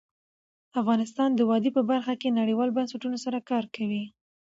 افغانستان د وادي په برخه کې نړیوالو بنسټونو سره کار کوي.